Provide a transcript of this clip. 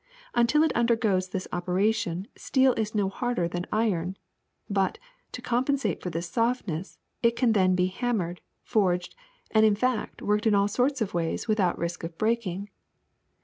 Until it undergoes this operation steel is no harder than iron; but, to com pensate for this softness, it can then be hammered, forged, and in fact worked in all sorts of ways with out risk of breaking.